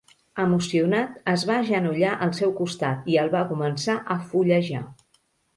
Emocionat, es va agenollar al seu costat i el va començar a fullejar.